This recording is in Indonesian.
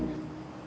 kamera itu nutris